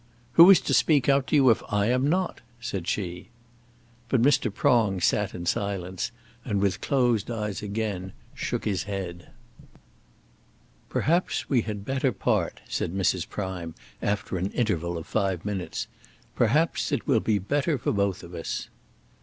"Who is to speak out to you if I am not?" said she. But Mr. Prong sat in silence, and with closed eyes again shook his head. "Perhaps we had better part," said Mrs. Prime, after an interval of five minutes. "Perhaps it will be better for both of us." Mr.